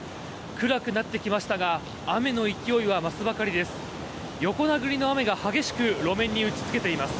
暗くなってきましたが雨の勢いは増すばかりです。